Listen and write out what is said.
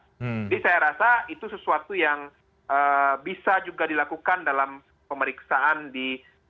jadi saya rasa itu sesuatu yang bisa juga dilakukan dalam pemeriksaan di